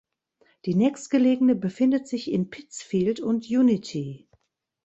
Die nächstgelegene befindet sich in Pittsfield und Unity.